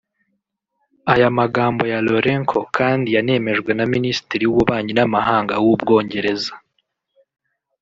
Aya magambo ya Laurenco kandi yanemejwe na Minisitiri w’Ububanyi n’Amahanga w’u Bwongereza